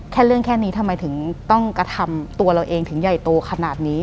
แค่เรื่องแค่นี้ทำไมถึงต้องกระทำตัวเราเองถึงใหญ่โตขนาดนี้